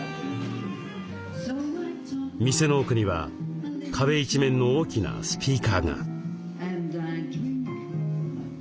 店の奥には壁一面の大きなスピーカーが。